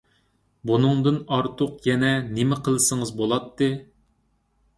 بۇنىڭدىن ئارتۇق يەنە نېمە قىلسىڭىز بولاتتى؟